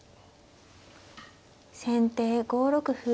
先手５六歩。